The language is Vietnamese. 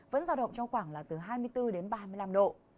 vẫn giao động trong khoảng là từ hai mươi bốn đến ba mươi năm độ